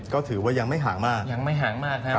ก็ถือว่ายังไม่ห่างมากยังไม่ห่างมากครับ